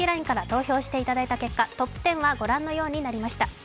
ＬＩＮＥから投票していただいた結果、トップ１０は御覧のようになりました。